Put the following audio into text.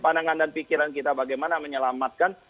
pandangan dan pikiran kita bagaimana menyelamatkan